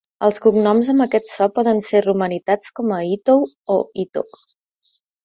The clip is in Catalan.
Els cognoms amb aquest so poden ser romanitats com a Itou o Itoh.